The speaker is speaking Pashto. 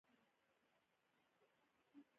ځمکې د واورې راتګ ته شېبې شمېرلې.